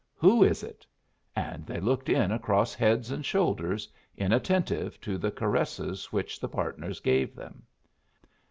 "Who is it?" And they looked in across heads and shoulders, inattentive to the caresses which the partners gave them.